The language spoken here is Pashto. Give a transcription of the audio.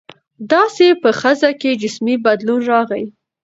داسې په ښځه کې جسمي بدلون راغى.